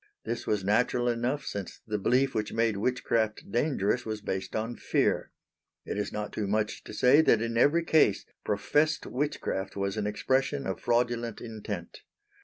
This was natural enough since the belief which made witchcraft dangerous was based on fear. It is not too much to say that in every case, professed witchcraft was an expression of fraudulent intent.